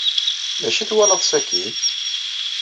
D acu ay twalaḍ sakkin?